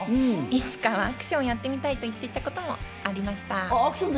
いつかはアクションやってみたいと言っていたこともありました。